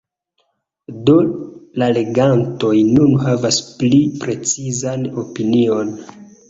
Do la legantoj nun havas pli precizan opinion.